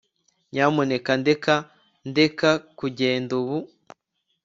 nyamuneka ndeka ndeke kugenda ubu